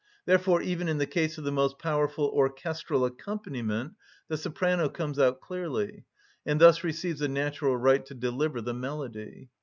Therefore, even in the case of the most powerful orchestral accompaniment, the soprano comes out clearly, and thus receives a natural right to deliver the melody.